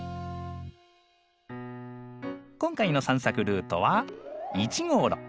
今回の散策ルートは１号路。